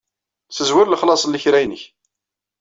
Ssezwer lexlaṣ n lekra-nnek.